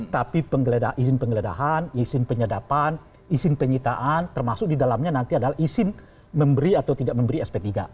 tapi izin penggeledahan izin penyadapan izin penyitaan termasuk di dalamnya nanti adalah izin memberi atau tidak memberi sp tiga